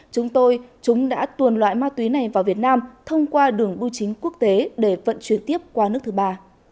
chúng tôi chúng đã tuồn loại ma túy này vào việt nam thông qua đường bưu chính quốc tế để vận chuyển tiếp qua nước thứ ba